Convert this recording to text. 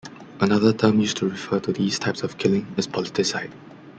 Another term used to refer to these types of killing is politicide.